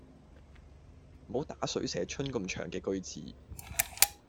唔好打水蛇春咁長嘅句字